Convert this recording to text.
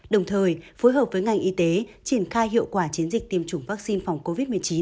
đồng thời phối hợp với ngành y tế triển khai hiệu quả chiến dịch tiêm chủng vaccine phòng covid một mươi chín